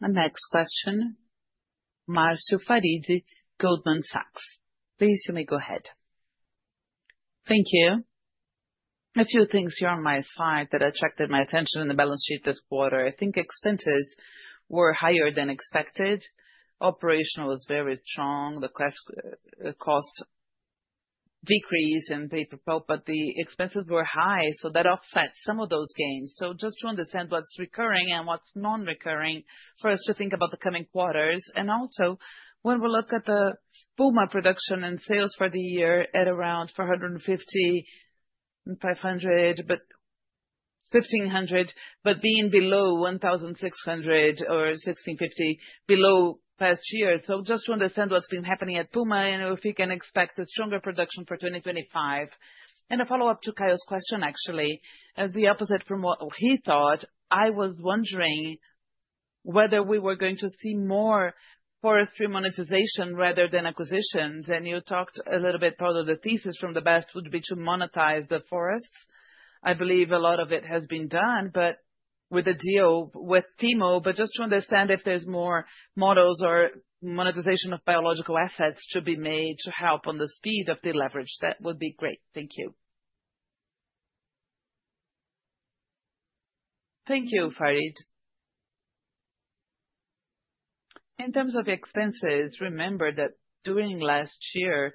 My next question, Marcio Farid, Goldman Sachs. Please, you may go ahead. Thank you. A few things here on my side that attracted my attention in the balance sheet this quarter. I think expenses were higher than expected. Operation was very strong. The cost decreased in paper pulp, but the expenses were high, so that offset some of those gains, so just to understand what's recurring and what's non-recurring, first, to think about the coming quarters, and also, when we look at the Puma production and sales for the year at around 450, 500, but 1,500, but being below 1,600 or 1,650 below past year, so just to understand what's been happening at Puma and if we can expect a stronger production for 2025. A follow-up to Caio's question, actually, the opposite from what he thought, I was wondering whether we were going to see more forestry monetization rather than acquisitions. And you talked a little bit part of the thesis from the best would be to monetize the forests. I believe a lot of it has been done, but with a deal with TIMO. But just to understand if there's more models or monetization of biological assets to be made to help on the speed of the leverage, that would be great. Thank you. Thank you, Farid. In terms of expenses, remember that during last year,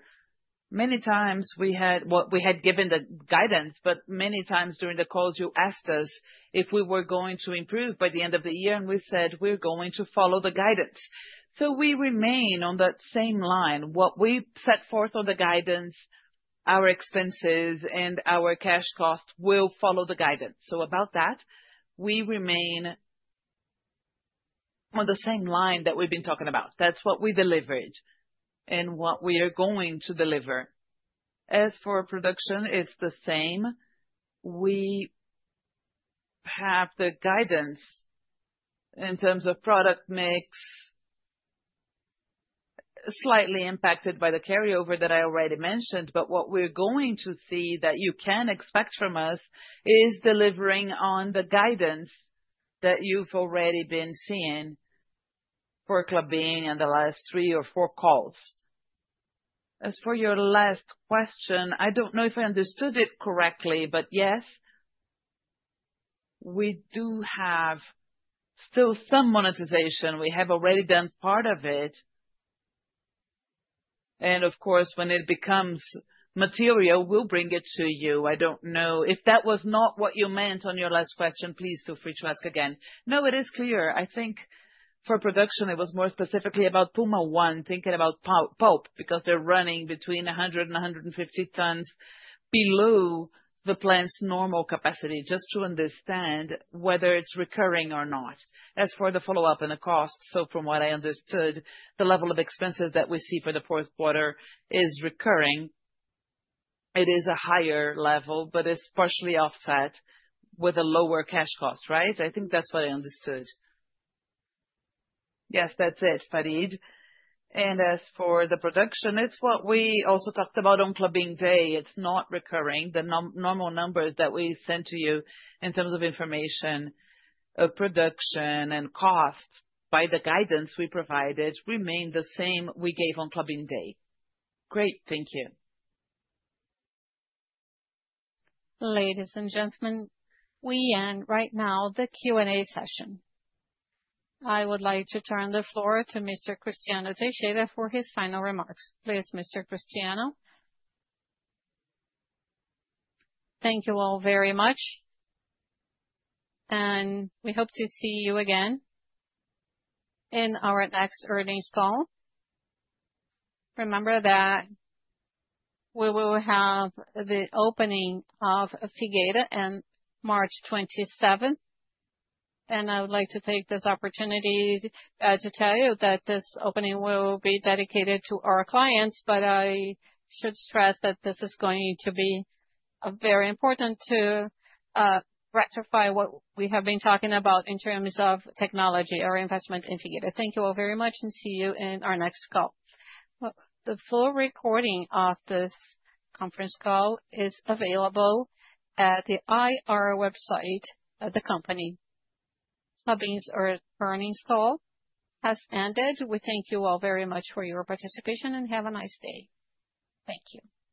many times we had what we had given the guidance, but many times during the calls, you asked us if we were going to improve by the end of the year, and we said we're going to follow the guidance. So we remain on that same line. What we set forth on the guidance, our expenses and our cash costs will follow the guidance. So about that, we remain on the same line that we've been talking about. That's what we delivered and what we are going to deliver. As for production, it's the same. We have the guidance in terms of product mix, slightly impacted by the carryover that I already mentioned, but what we're going to see that you can expect from us is delivering on the guidance that you've already been seeing for Klabin in the last three or four calls. As for your last question, I don't know if I understood it correctly, but yes, we do have still some monetization. We have already done part of it. And of course, when it becomes material, we'll bring it to you. I don't know if that was not what you meant on your last question. Please feel free to ask again. No, it is clear. I think for production, it was more specifically about Puma I, thinking about pulp, because they're running between 100 and 150 tons below the plant's normal capacity, just to understand whether it's recurring or not. As for the follow-up and the cost, so from what I understood, the level of expenses that we see for the fourth quarter is recurring. It is a higher level, but it's partially offset with a lower cash cost, right? I think that's what I understood. Yes, that's it, Farid. And as for the production, it's what we also talked about on Klabin Day. It's not recurring. The normal numbers that we sent to you in terms of information of production and costs by the guidance we provided remain the same we gave on Klabin Day. Great. Thank you. Ladies and gentlemen, we end right now the Q&A session. I would like to turn the floor to Mr. Cristiano Teixeira for his final remarks. Please, Mr. Cristiano. Thank you all very much, and we hope to see you again in our next earnings call. Remember that we will have the opening of Figueira on March 27th. I would like to take this opportunity to tell you that this opening will be dedicated to our clients, but I should stress that this is going to be very important to rectify what we have been talking about in terms of technology or investment in Figueira. Thank you all very much and see you in our next call. The full recording of this conference call is available at the IR website of the company. Klabin's earnings call has ended. We thank you all very much for your participation and have a nice day. Thank you.